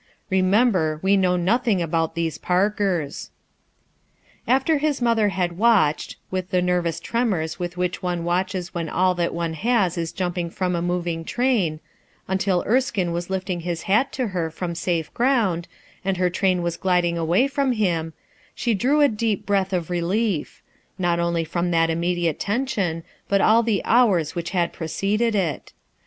Remember, we know nothing about these Parkers." After his mother had watched, with the ner vous tremors with which one watches when all that one has is jumping from a moving train — until Erskine was lifting his hat to her from safe ground, and her train was gliding away from him, she drew* a deep breath of relief ; not only from that immediate tension, but all the hours which had preceded it.